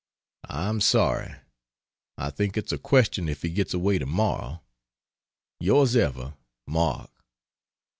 I am sorry. I think it's a question if he gets away tomorrow. Ys Ever MARK.